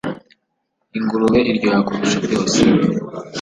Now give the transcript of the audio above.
Ingurube iryoha kurusha byose,